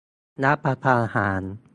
รัฐประหาร